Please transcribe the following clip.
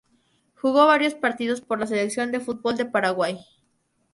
Jugó varios partidos por la Selección de fútbol de Paraguay.